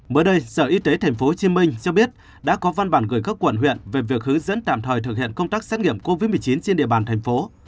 mới đây sở y tế tp hcm cho biết đã có văn bản gửi các quận huyện về việc hướng dẫn tạm thời thực hiện công tác xét nghiệm covid một mươi chín trên địa bàn thành phố